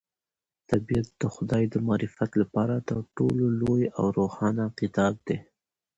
طبیعت د خدای د معرفت لپاره تر ټولو لوی او روښانه کتاب دی.